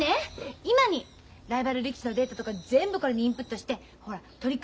今にライバル力士のデータとか全部これにインプットしてほら取組